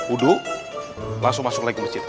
uduh langsung masuk lagi masjid